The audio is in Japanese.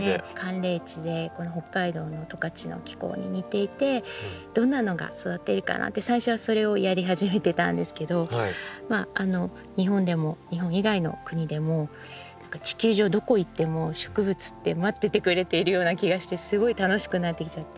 寒冷地でこの北海道の十勝の気候に似ていてどんなのが育っているかなって最初はそれをやり始めたんですけど日本でも日本以外の国でも何か地球上どこへ行っても植物って待っててくれているような気がしてすごい楽しくなってきちゃって。